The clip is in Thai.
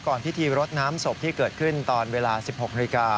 ก่อนพิธีรถน้ำสบที่เกิดขึ้นตอนเวลา๑๖น